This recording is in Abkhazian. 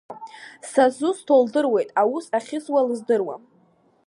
Сызусҭоу лдыруеит, аус ахьызуа лыздыруам.